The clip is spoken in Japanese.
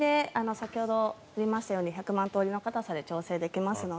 先ほど言いましたように１００万通りの硬さで調整できますので。